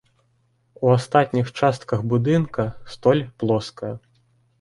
У астатніх частках будынка столь плоская.